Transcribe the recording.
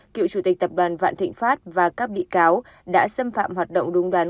cựu chủ tịch tập đoàn vạn thịnh pháp và các bị cáo đã xâm phạm hoạt động đúng đoàn